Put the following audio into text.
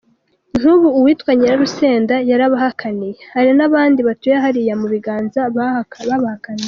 Nk’ubu uwitwa Nyirarusenda yarabahakaniye, hari n’abandi batuye hariya mu Biganza babahakaniye.